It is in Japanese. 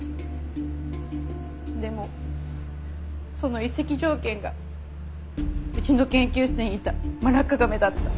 でもその移籍条件がうちの研究室にいたマラッカガメだった。